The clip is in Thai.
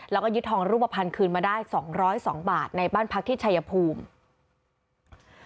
แล้วก็ยึดทองรูปภัณฑ์คืนมาได้๒๐๒บาทในบ้านพักที่ชายภูมิ